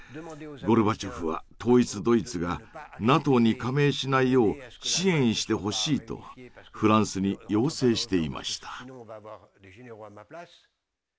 ゴルバチョフは統一ドイツがＮＡＴＯに加盟しないよう支援してほしいとフランスに要請していました。